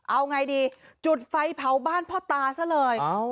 เอาไงดีจุดไฟเผาบ้านพ่อตาซะเลย